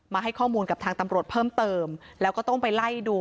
ให้ข้อมูลกับทางตำรวจเพิ่มเติมแล้วก็ต้องไปไล่ดู